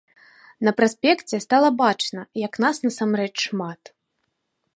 На праспекце стала бачна, як нас насамрэч шмат.